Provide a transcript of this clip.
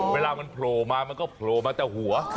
เวลามันโผล่มามันก็โผล่มาแต่หัว